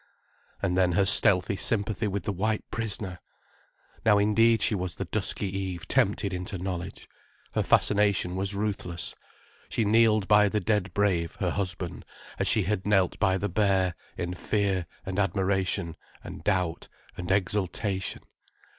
And then her stealthy sympathy with the white prisoner! Now indeed she was the dusky Eve tempted into knowledge. Her fascination was ruthless. She kneeled by the dead brave, her husband, as she had knelt by the bear: in fear and admiration and doubt and exultation.